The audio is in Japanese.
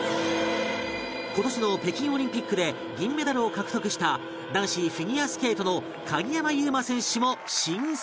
今年の北京オリンピックで銀メダルを獲得した男子フィギュアスケートの鍵山優真選手も新成人